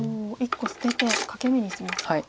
１個捨てて欠け眼にしますか。